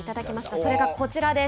それがこちらです。